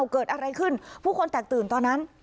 เกิดอะไรขึ้นผู้คนแตกตื่นตอนนั้น